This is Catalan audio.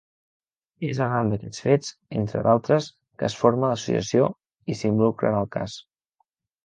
És arran d'aquests fets, entre d'altres, que es forma l'associació, i s'involucra en el cas.